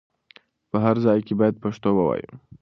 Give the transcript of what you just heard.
په هر ځای کې بايد پښتو ووايو.